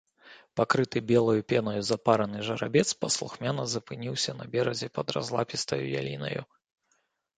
Пакрыты белаю пенаю запараны жарабец паслухмяна запыніўся на беразе пад разлапістаю ялінаю.